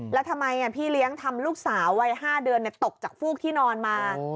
แล้วทำไมพี่เลี้ยงทำลูกสาววัย๕เดือนตกจากฟูกที่นอนมา